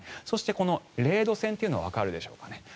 そして、この０度線というのがわかるでしょうかね。